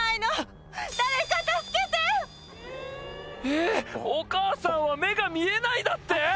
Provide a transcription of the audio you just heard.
ええっお母さんは目が見えないだって！？